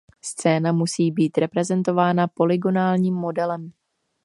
Scéna musí být reprezentována polygonálním modelem.